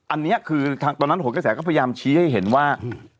อันนี้คือตอนนั้นหัวกระแสก็พยายามชี้ให้เห็นว่า